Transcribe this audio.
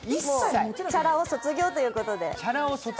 チャラ男卒業ということで。